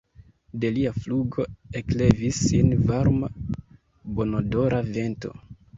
De lia flugo eklevis sin varma, bonodora vento.